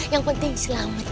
yang penting selamat